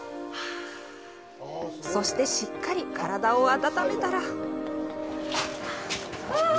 そして、しっかり体を温めたら！